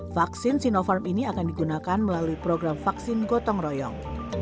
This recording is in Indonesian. vaksin sinopharm ini akan digunakan melalui program vaksin gotong royong